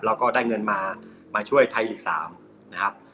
เราก็ได้เงินมาช่วยไทยหลีก๓นะครับ